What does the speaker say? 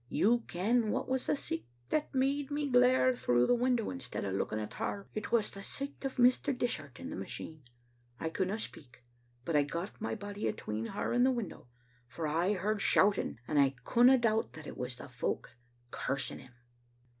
You ken what was the sicht that made me glare through the window instead o' looking at her ; it was the sicht o' Mr. Dishart in the machine. I couldna speak, but I got my body atween her and the window, for I heard shout ing, and I couldna doubt that it was the folk cursing him.